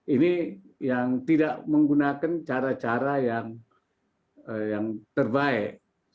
ini yang tidak menggunakan cara cara yang terbaik